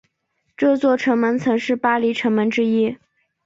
这座城门曾是巴黎城门之一。